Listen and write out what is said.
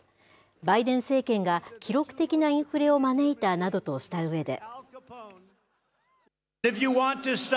バイデン政権が記録的なインフレを招いたなどとしたうえで。